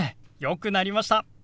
よくなりました。